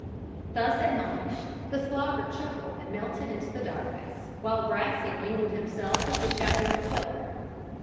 Thus admonished, the Slogger chuckled and melted into the darkness, while Brassey mingled himself with the shadow of a pillar.